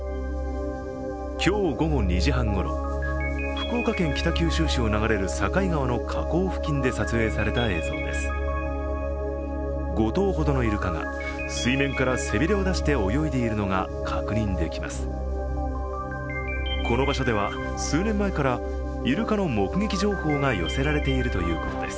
今日午後２時半ごろ、福岡県北九州市を流れる境川の河口付近で撮影された映像です。